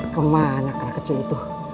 kemana kera kecil itu